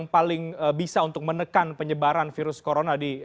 paling bisa untuk menekan penyebaran virus corona di